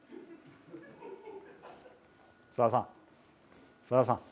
さださん、さださん。